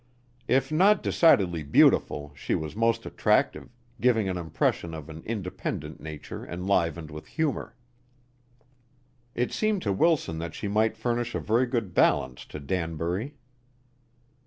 If not decidedly beautiful, she was most attractive, giving an impression of an independent nature enlivened with humor. It seemed to Wilson that she might furnish a very good balance to Danbury.